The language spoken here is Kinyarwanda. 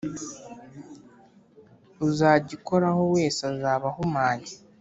Uzagikoraho wese azaba ahumanye